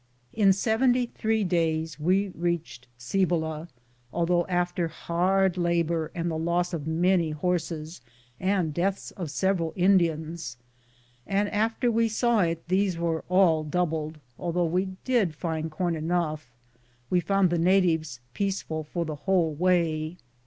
In seventy three days we reached Cibola, although after bard labor and the loss of many horses and the death of several Indians, and after we saw it these were all doubled, although we did find corn enough. We found the natives peaceful for the whole way.